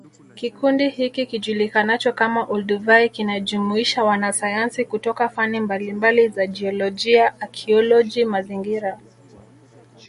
Kikundi hiki kijulikanacho kama Olduvai kinajumuisha wanasayansi kutoka fani mbalimbali za jiolojia akioloji mazingira